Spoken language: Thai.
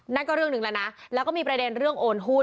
นั่นก็เรื่องหนึ่งแล้วนะแล้วก็มีประเด็นเรื่องโอนหุ้น